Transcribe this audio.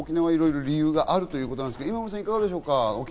いろいろ理由があるということですけど今村さん、いかがでしょう？